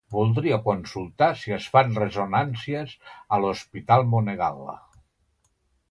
Voldria consultar si es fan ressonàncies a l'hospital Monegal.